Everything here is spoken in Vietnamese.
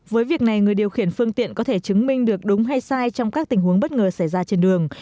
với việc này người điều khiển phương tiện có thể chứng minh được đúng hay sai trong các tình huống bất ngờ xảy ra trên đường